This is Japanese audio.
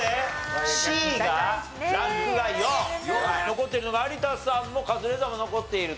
残ってるのが有田さんもカズレーザーも残っていると。